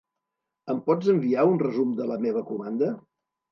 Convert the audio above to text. Em pots enviar un resum de la meva comanda?